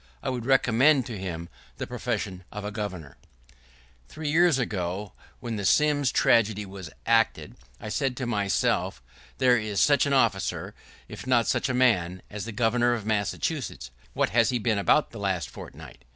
I would recommend to him the profession of a Governor. [¶5] Three years ago, also, when the Sims tragedy was acted, I said to myself, There is such an officer, if not such a man, as the Governor of Massachusetts — what has he been about the last fortnight?